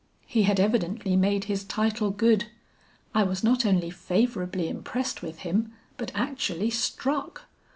He had evidently made his title good. I was not only favorably impressed with him but actually struck.